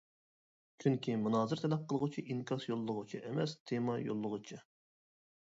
چۈنكى مۇنازىرە تەلەپ قىلغۇچى ئىنكاس يوللىغۇچى ئەمەس تېما يوللىغۇچى.